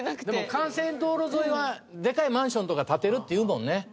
でも幹線道路沿いはでかいマンションとか建てるっていうもんね。